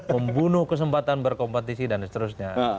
membunuh kesempatan berkompetisi dan seterusnya